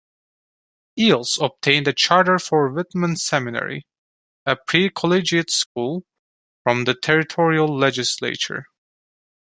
Eells obtained a charter for Whitman Seminary, a pre-collegiate school, from the territorial legislature.